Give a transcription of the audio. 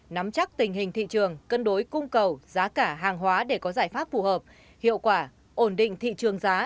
nắm chắc tình hình thị trường cân đối cung cầu giá cả hàng hóa để có giải pháp phù hợp hiệu quả ổn định thị trường giá